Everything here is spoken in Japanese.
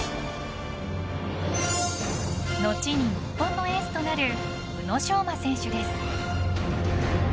後に日本のエースとなる宇野昌磨選手です。